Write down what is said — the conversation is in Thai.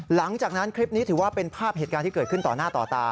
หลังจากนั้นคลิปนี้ถือว่าเป็นภาพเหตุการณ์ที่เกิดขึ้นต่อหน้าต่อตา